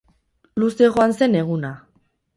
Luze joan zen eguna.